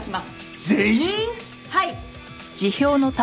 はい！